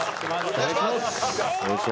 お願いします。